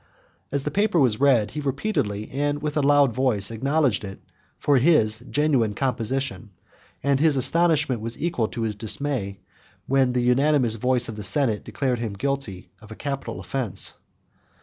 As the paper was read, he repeatedly, and with a loud voice, acknowledged it for his genuine composition; and his astonishment was equal to his dismay, when the unanimous voice of the senate declared him guilty of a capital offence.